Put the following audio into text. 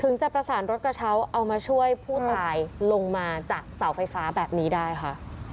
จะประสานรถกระเช้าเอามาช่วยผู้ตายลงมาจากเสาไฟฟ้าแบบนี้ได้ค่ะ